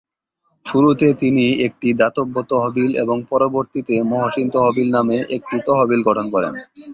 শুরুতে তিনি একটি দাতব্য তহবিল এবং পরবর্তীতে "মহসিন তহবিল" নামে একটি তহবিল গঠন করেন।